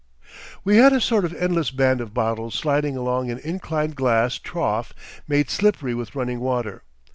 We had a sort of endless band of bottles sliding along an inclined glass trough made slippery with running water.